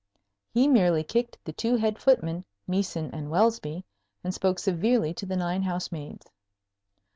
He merely kicked the two head footmen, Meeson and Welsby, and spoke severely to the nine house maids.